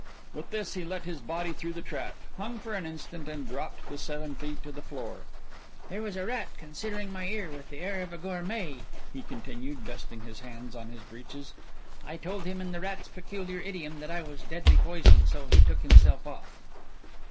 With this he let his body through the trap, hung for an instant, and dropped the seven feet to the floor. "There was a rat considered my ear with the air of a gourmet," he continued, dusting his hands on his breeches. "I told him in the rat's peculiar idiom that I was deadly poison, so he took himself off."